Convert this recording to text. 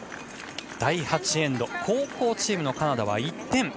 第８エンド、後攻チームのカナダは１点。